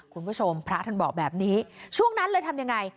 คุณผู้ชมพระท่านบอกแบบนี้ช่วงนั้นเลยทำยังไง